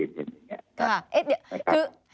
ค่ะเอ๊ะเดี๋ยวคือ